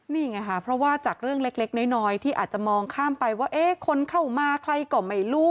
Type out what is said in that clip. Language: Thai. นี่ไงค่ะเพราะว่าจากเรื่องเล็กน้อยที่อาจจะมองข้ามไปว่าเอ๊ะคนเข้ามาใครก็ไม่รู้